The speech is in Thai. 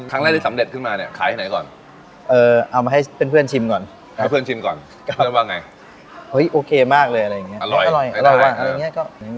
อืมครั้งแรกที่สำเร็จขึ้นมาเนี้ยขายไหนก่อนเออเอามาให้เป็นเพื่อนชิมก่อนจัง